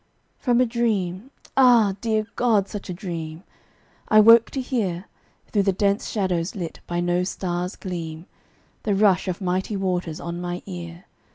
From a dream Ah! dear God! such a dream! I woke to hear, Through the dense shadows lit by no star's gleam, The rush of mighty waters on my ear.